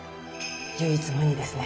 唯一無二ですね。